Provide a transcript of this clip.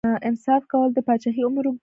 انصاف کول د پاچاهۍ عمر اوږدوي.